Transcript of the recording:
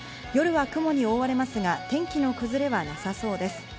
夜は雲に覆われますが天気の崩れはなさそうです。